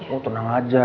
oh tenang aja